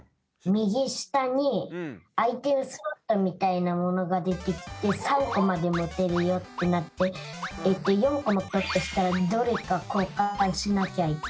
右下にアイテムスロットみたいなものが出てきて３個まで持てるよってなって４個目タップしたらどれか交換しなきゃいけなくなって。